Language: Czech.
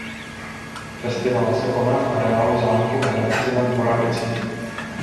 Festival se koná v areálu zámku v Hradci nad Moravicí.